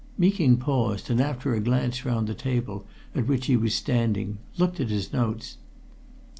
Meeking paused, and after a glance round the table at which he was standing looked at his notes.